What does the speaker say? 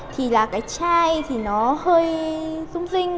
thì là cái chai thì nó hơi rung rinh